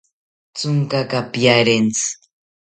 Thonkaka piarentzi